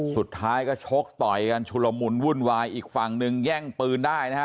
สุดท้ายก็ชกต่อยกันชุลมุนวุ่นวายอีกฝั่งหนึ่งแย่งปืนได้นะฮะ